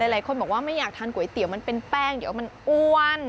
หลายคนบอกว่าไม่อยากทานก๋วยเตี๋ยวมันเป็นแป้งเดี๋ยวมันอ้วน